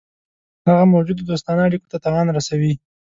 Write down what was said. هغه موجودو دوستانه اړېکو ته تاوان رسوي.